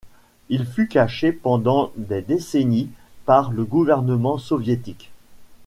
Il fut caché pendant des décennies par le gouvernement soviétique.